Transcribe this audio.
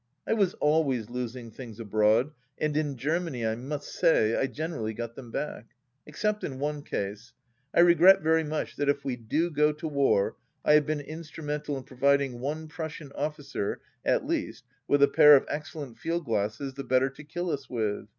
I was always losing things abroad, and in Germany, I must say, I generally got them back. Except in one case. I regret very much that if we do go to war I have been instru mental in providing one Prussian officer at least with a pair of excellent field glasses the better to kill us with.